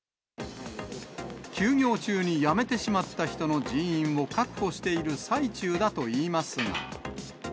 休業中に辞めてしまった人の人員を確保している最中だといいますが。